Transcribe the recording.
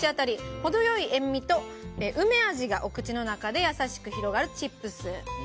程良い塩みと梅味がお口の中で優しく広がるチップス。